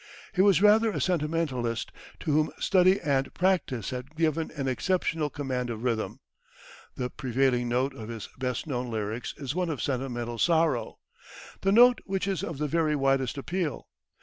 He was rather a sentimentalist to whom study and practice had given an exceptional command of rhythm. The prevailing note of his best known lyrics is one of sentimental sorrow the note which is of the very widest appeal.